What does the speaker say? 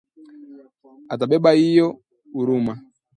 atabeba hiyo huruma?